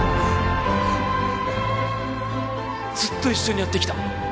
ずっと一緒にやってきた